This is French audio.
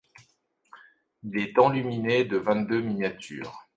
Il est enluminé de vingt-deux miniatures.